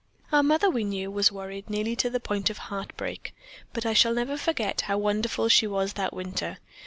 "Our mother, we knew, was worried nearly to the point of heartbreak, but I shall never forget how wonderful she was that winter.